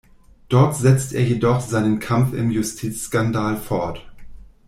Dort setzt er jedoch seinen Kampf im Justizskandal fort.